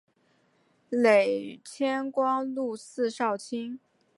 累迁光禄寺少卿。